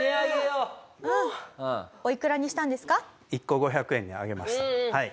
１個５００円に上げました。